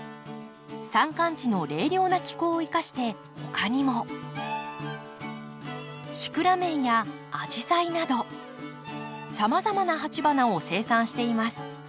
山間地の冷涼な気候を生かして他にもシクラメンやアジサイなどさまざまな鉢花を生産しています。